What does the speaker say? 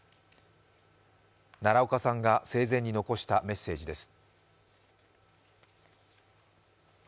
奈良岡さんが生前に残したメッセージです。